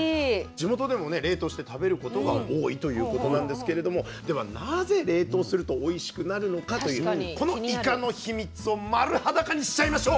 地元でもね冷凍して食べることが多いということなんですけれどもではなぜ冷凍するとおいしくなるのかというこのイカの秘密を丸裸にしちゃいましょう！